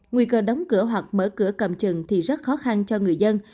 nguy cơ đóng cửa hoặc mở cửa cầm chừng thì rất khó khăn cho người dân